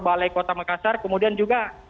balai kota makassar kemudian juga